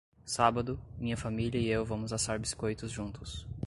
Sábado, minha família e eu vamos assar biscoitos juntos.